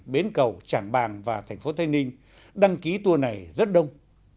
bến cầu trảng bàng và thành phố tây ninh đăng ký tour này rất đông